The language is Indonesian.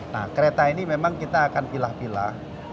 nah kereta ini memang kita akan pilih pilih